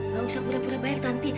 gak usah pura pura bayar tanti